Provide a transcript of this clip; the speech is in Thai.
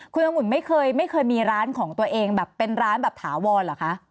คุณอาหุ่นไม่เคยมีร้านของตัวเองเป็นร้านแบบถาวรเหรอคะ